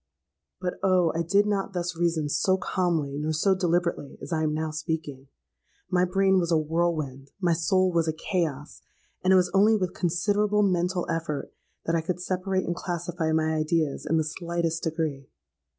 "But, oh! I did not thus reason so calmly nor so deliberately as I am now speaking. My brain was a whirlwind—my soul was a chaos; and it was only with considerable mental effort, that I could separate and classify my ideas in the slightest degree.